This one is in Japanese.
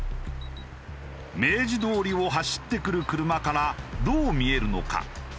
明治通りを走ってくる車からどう見えるのか？